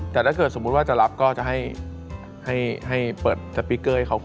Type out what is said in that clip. แต่ถ้าเกิดสมมุติว่าจะรับก็จะให้เปิดสปีกเกอร์ให้เขาก่อน